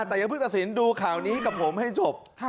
แต่อย่าเพิ่งตัดสินดูข่าวนี้กับผมให้จบ